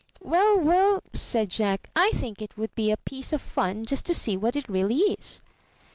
'Well, well," said Jack, "I think it would be a piece of fun just to see what it really is."